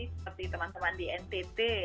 seperti teman teman di ntt